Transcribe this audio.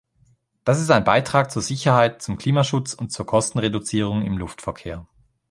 Das ist ein Beitrag zur Sicherheit, zum Klimaschutz und zur Kostenreduzierung im Luftverkehr.